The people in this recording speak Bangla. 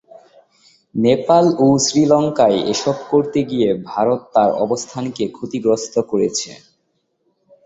নেপাল ও শ্রীলঙ্কায় এসব করতে গিয়ে ভারত তার অবস্থানকে ক্ষতিগ্রস্ত করেছে।